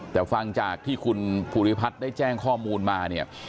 แต่ฟังจากที่คุณภูริพัฒน์ได้แจ้งข้อมูลมาเนี่ย